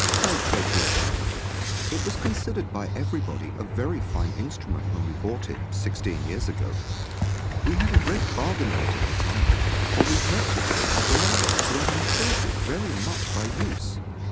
JOHN S. I beg your pardon: it was considered by everybody a very fine instrument when we bought it, sixteen years ago. We had a great bargain in it at the time, for we purchased it of a neighbor who had improved it very much by use. Mr.